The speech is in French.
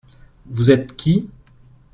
Vous êtes qui ?